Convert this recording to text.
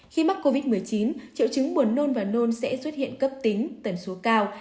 khi mắc covid một mươi chín triệu chứng buồn nôn và nôn sẽ xuất hiện cấp tính tần số cao